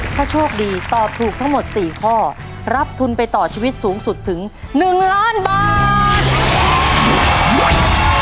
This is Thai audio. ถ้าโชคดีตอบถูกทั้งหมด๔ข้อรับทุนไปต่อชีวิตสูงสุดถึง๑ล้านบาท